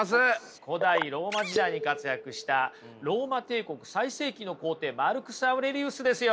古代ローマ時代に活躍したローマ帝国最盛期の皇帝マルクス・アウレリウスですよ。